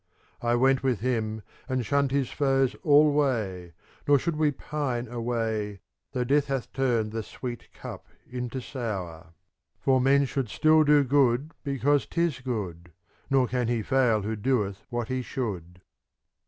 I went with him, and shunned his foes alway, ^ Nor should we pine away, Though Death hath turned the sweet cup into sour; For men should still do good because 'tis good, Nor can he fail who doeth what he should.